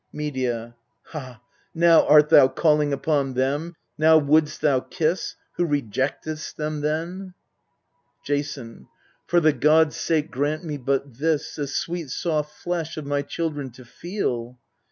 Medea. Ha ! now art thou calling upon them, now wouldst thou kiss, Who rejectedst them then? Jason. For the gods' sake grant me but this, The sweet soft flesh of my children to feel